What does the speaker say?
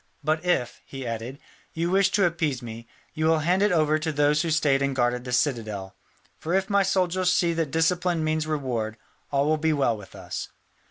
"But if," he added, "you wish to appease me, you will hand it over to those who stayed and guarded the citadel. For if my soldiers see that discipline means reward, all will be well with us."